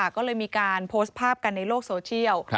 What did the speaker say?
ก็เลยมีการโพสต์ภาพกันในโลกโซเชียล